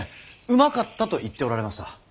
うまかったと言っておられました。